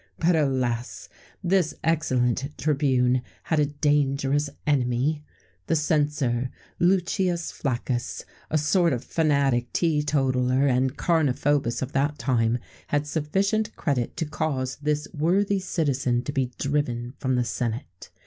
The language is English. But, alas! this excellent tribune had a dangerous enemy: the censor, Lucius Flaccus, a sort of fanatic teetotaller and carniphobis of that time, had sufficient credit to cause this worthy citizen to be driven from the senate.